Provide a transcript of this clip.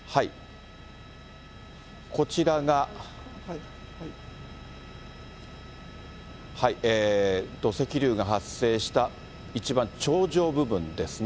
こちらが、土石流が発生した一番頂上部分ですね。